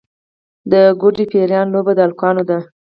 د ګوډي پران لوبه د هلکانو ده.